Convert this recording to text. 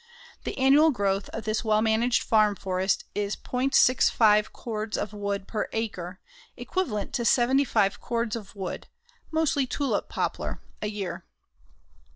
The annual growth of this well managed farm forest is .65 cords of wood per acre, equivalent to 75 cords of wood mostly tulip poplar a year.